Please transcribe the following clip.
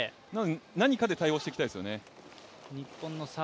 何かで対応していきたいですよね。